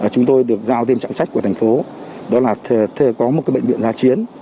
chúng tôi được giao thêm trạng trách của thành phố đó là có một bệnh viện giã chiến